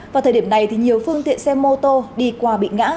vào thời điểm này nhiều phương tiện xe mô tô đi qua bị ngã